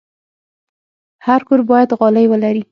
هر کور باید غالۍ ولري.